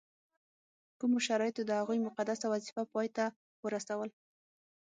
کومو شرایطو د هغوی مقدسه وظیفه پای ته ورسول.